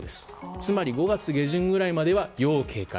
つまり５月下旬ぐらいまでは要警戒。